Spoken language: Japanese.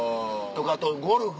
あとゴルフ。